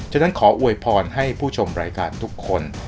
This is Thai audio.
ฉะนั้นขออวยพรให้ผู้ชมรายการทุกคน